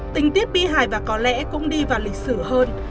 tình tiết bi hài và có lẽ cũng đi vào lịch sử hơn